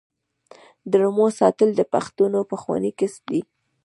د رمو ساتل د پښتنو پخوانی کسب دی.